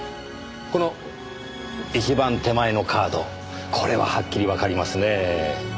この一番手前のカードこれははっきりわかりますねぇ。